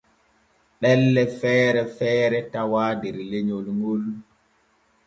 Ɗelle feere feere tawaa der lenyol ŋol.